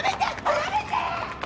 やめてー！